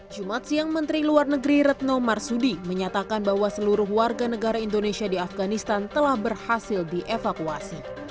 jumat siang menteri luar negeri retno marsudi menyatakan bahwa seluruh warga negara indonesia di afganistan telah berhasil dievakuasi